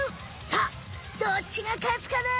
さあどっちがかつかな？